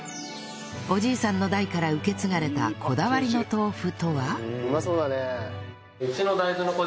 おじいさんの代から受け継がれたこだわりの豆腐とは？